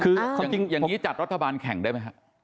คือจริงอย่างนี้จัดรัฐบาลแข่งได้ไหมฮะ